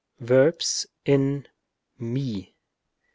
Verbs in μί.